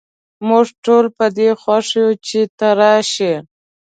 موږ ټول په دي خوښ یو چې ته راشي